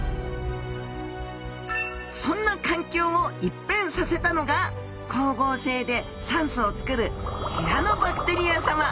そんな環境を一変させたのが光合成で酸素をつくるシアノバクテリアさま